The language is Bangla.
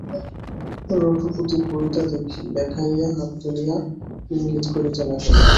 রঘুপতি পইতা দেখাইয়া হাত তুলিয়া ইঙ্গিত করিতে লাগিলেন।